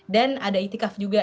dan ada itikaf juga